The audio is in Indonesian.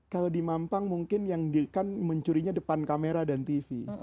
kalau di mampang mungkin yang kan mencurinya depan kamera dan tv